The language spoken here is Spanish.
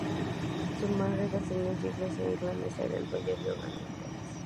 Su madre, de ascendencia inglesa e irlandesa, era del Valle Rio Grande de Texas.